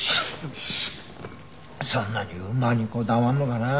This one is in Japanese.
そんなに馬にこだわるのかな。